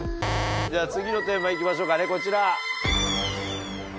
じゃ次のテーマ行きましょうかねこちら。